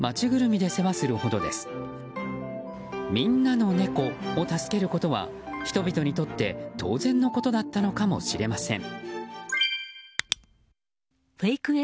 みんなの猫を助けることは人々にとって当然のことだったのかもしれません。